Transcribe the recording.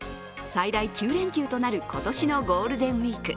最大９連休となる今年のゴールデンウイーク。